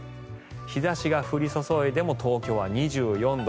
日差しが降り注いでも東京は２４度。